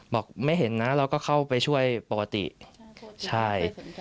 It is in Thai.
บอกไม่เห็นนะเราก็เข้าไปช่วยปกติใช่